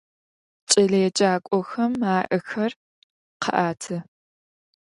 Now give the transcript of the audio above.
Кӏэлэеджакӏохэм аӏэхэр къаӏэты.